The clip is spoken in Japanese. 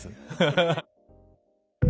ハハハッ。